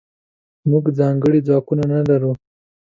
موږځنکړي ځواکونه نلرو